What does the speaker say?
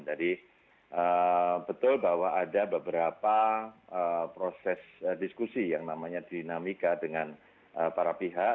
jadi betul bahwa ada beberapa proses diskusi yang namanya dinamika dengan para pihak